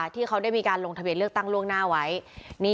ที่เขาได้มีการลงทะเบียนเลือกตั้งล่วงหน้าไว้